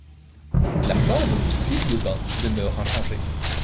La forme du slip de bain demeure inchangée.